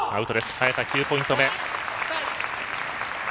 早田、９ポイント目。